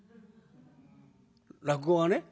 落語がね。